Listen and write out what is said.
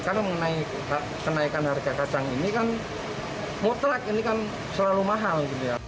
karena mengenai kenaikan harga kacang ini kan mutlak ini kan selalu mahal